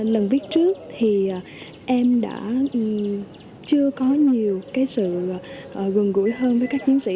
lần viết trước thì em đã chưa có nhiều cái sự gần gũi hơn với các chiến sĩ